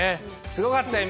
すごかったよ